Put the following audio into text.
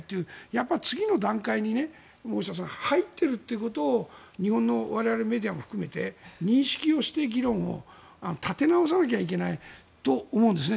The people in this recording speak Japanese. やっぱり次の段階に、大下さん入っているということを日本の我々メディアも含めて認識をして議論を立て直さなきゃいけないと思うんですね。